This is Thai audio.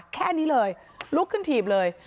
แค่นี้เลยลุกขึ้นถีบเลย